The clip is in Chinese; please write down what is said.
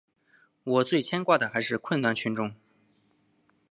我最牵挂的还是困难群众。